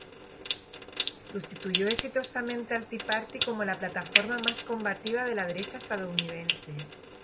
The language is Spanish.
Sustituyó exitosamente al Tea Party como plataforma más combativa de la derecha estadounidense.